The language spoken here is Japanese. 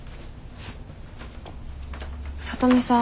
聡美さん